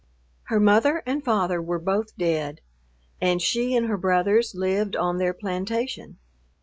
Her mother and father were both dead, and she and her brothers lived on their plantation.